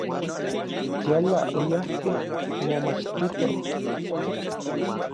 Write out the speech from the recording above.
Yala oyajkej omomachtitoj.